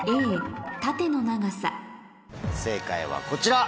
正解はこちら！